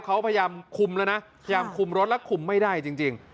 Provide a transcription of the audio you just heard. เขาพยายามคุมแล้วนะพยายามคุมรถแล้วคุมไม่ได้จริง